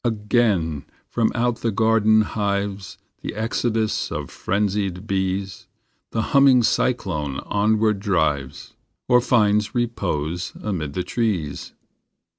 37 JUNE S COMING Again from out the garden hives The exodus of frenzied bees; The humming cyclone onward drives, Or finds repose amid the trees.